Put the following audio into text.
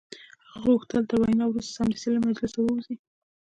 هغه غوښتل تر وینا وروسته سمدستي له مجلسه ووځي